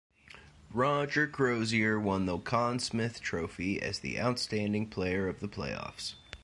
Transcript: Roger Crozier won the Conn Smythe Trophy as the outstanding player of the playoffs.